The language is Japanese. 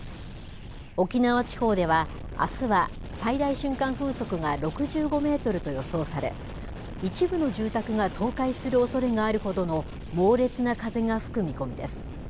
沖縄地方ではあすは最大瞬間風速が６５メートルと予想され、一部の住宅が倒壊するおそれがあるほどの猛烈な風が吹く見込みです。